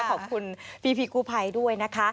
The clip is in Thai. ขอบคุณปีปีกูไพด้วยนะคะ